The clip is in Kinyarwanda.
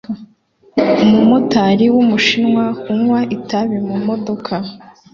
umumotari wumushinwa unywa itabi mumodoka